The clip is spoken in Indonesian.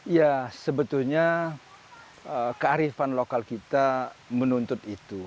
ya sebetulnya kearifan lokal kita menuntut itu